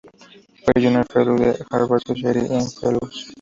Fue Junior Fellow de la Harvard Society of Fellows.